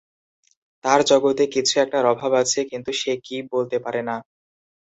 তার জগতে কিছু একটার অভাব আছে-কিন্তু সে কি বলতে পারে না।